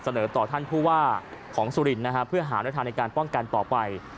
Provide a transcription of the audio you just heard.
เสนอต่อท่านผู้ว่าของสุรินทร์นะฮะเพื่อหาในทางในการป้องกันต่อไป